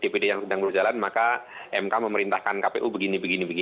dpd yang sedang berjalan maka mk memerintahkan kpu begini begini